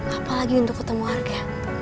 apalagi untuk ketemu arga